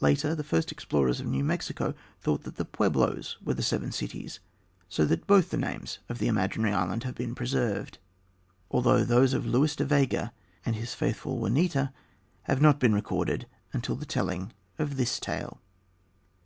Later, the first explorers of New Mexico thought that the pueblos were the Seven Cities; so that both the names of the imaginary island have been preserved, although those of Luis de Vega and his faithful Juanita have not been recorded until the telling of this tale.